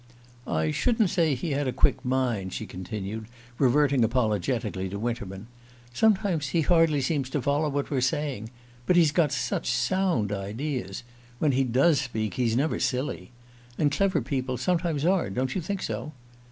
"I shouldn't say he had a quick mind," she continued, reverting apologetically to Winterman. "Sometimes he hardly seems to follow what we're saying. But he's got such sound ideas when he does speak he's never silly. And clever people sometimes are, don't you think so?"